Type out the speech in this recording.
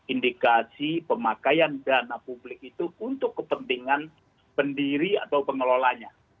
indikasi pemakaian dana publik itu untuk kepentingan pendiri atau pengelolanya